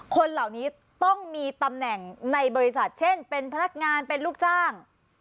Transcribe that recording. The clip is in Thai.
คนเหล่านี้ต้องมีตำแหน่งในบริษัทเช่นเป็นพนักงานเป็นลูกจ้าง